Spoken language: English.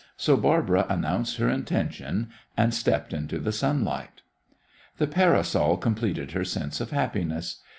So Barbara announced her intention, and stepped into the sunlight. The parasol completed her sense of happiness.